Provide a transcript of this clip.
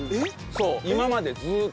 そう今までずっと。